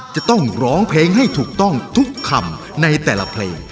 จะต้องร้องเพลงให้ถูกต้องทุกคำในแต่ละเพลง